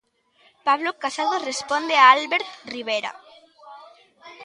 Pablo Casado responde a Albert Rivera.